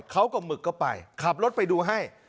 เขากับหมึกก็ไปขับรถไปดูให้